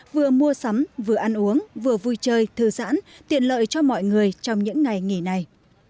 vừa mua sắm vừa ăn uống vừa vui chơi thư giãn tiện lợi cho mọi người trong những ngày nghỉ này